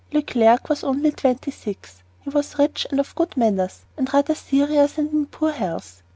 Leclerc was only twenty six. He was rich and of good manners, but rather serious and in poor health.